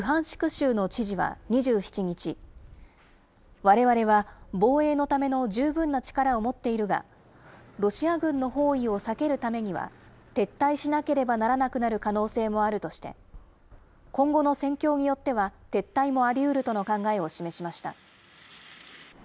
州の知事は２７日、われわれは防衛のための十分な力を持っているが、ロシア軍の包囲を避けるためには、撤退しなければならなくなる可能性もあるとして、今後の戦況によっては撤退もありうるとの考えを示しました。